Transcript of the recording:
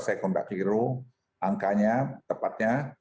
saya kondak hero angkanya tepatnya